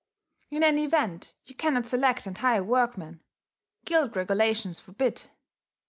In any event you cannot select and hire workmen: guild regulations forbid.